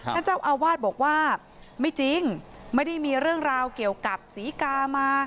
ท่านเจ้าอาวาสบอกว่าไม่จริงไม่ได้มีเรื่องราวเกี่ยวกับศรีกามา